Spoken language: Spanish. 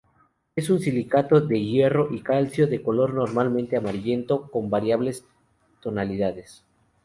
Es un silicato de hierro y calcio, de color normalmente amarillento con variables tonalidades.